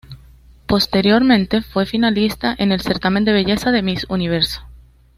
Posteriormente fue finalista en el certamen de belleza Miss Universo.